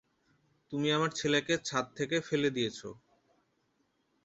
তুমি আমার ছেলেকে ছাদ থেকে ফেলে দিয়েছো।